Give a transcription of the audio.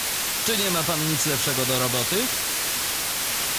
"Czy nie ma pan nic lepszego do roboty?"